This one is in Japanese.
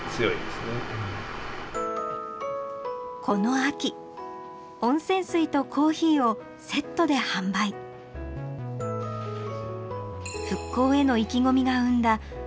この秋温泉水とコーヒーをセットで販売復興への意気込みが生んだ